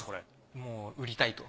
もう売りたいと。